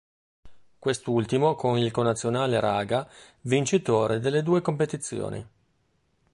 Quest'ultimo con il connazionale Raga vincitore delle due competizioni.